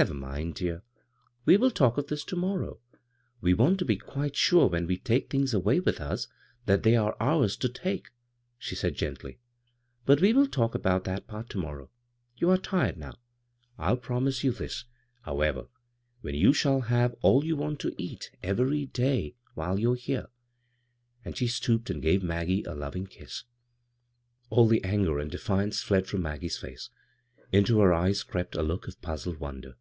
" Never mind, dear ; we will talk of this to morrow. We want to be quite sure when we take things away with us that they are ours to take," ^e said gently ;" but we will talk about that part to morrow. You are tired now. m {H'omise you this, however, you shall have all you want to eat every day 149 b, Google CROSS CURRENTS while you're here." And she stooped and gave Maggie a loving kiss. All the anger and dehance fled from Mag gie's face. Into her eyes crept a look of puzzled wonder.